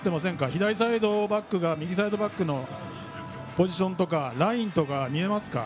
左サイドバックや右サイドバックのポジションとかラインとか見えますか？